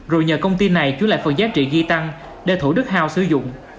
rồi nhờ công ty này chuyển lại phần giá trị ghi tăng để thủ đức house sử dụng